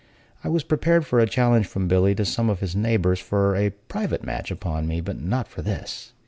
I was prepared for a challenge from Billy to some of his neighbors for a private match upon me; but not for this.